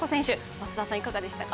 松田さん、いかがでしたか？